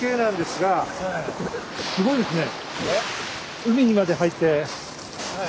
すごいですね。